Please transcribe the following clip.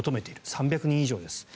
３００人以上です。